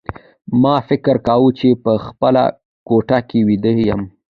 ما فکر کاوه چې په خپله کوټه کې ویده یم